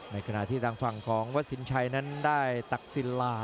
ในขณะที่ทางฝั่งของวัดสินชัยนั้นได้ตักศิลลา